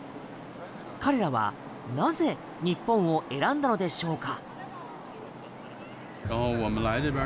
彼らはなぜ日本を選んだのでしょうか？